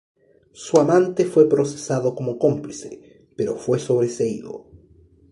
Su amante fue procesado como cómplice, pero fue sobreseído.